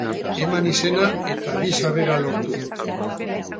Eman izena eta bi sarrera lortu!